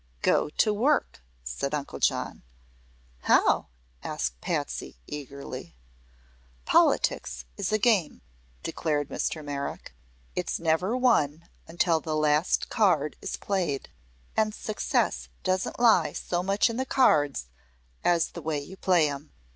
"Go to work!" said Uncle John. "How?" asked Patsy, eagerly. "Politics is a game," declared Mr. Merrick. "It's never won until the last card is played. And success doesn't lie so much in the cards as the way you play 'em.